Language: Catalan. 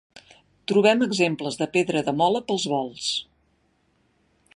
Trobem exemples de pedra de mola pels vols.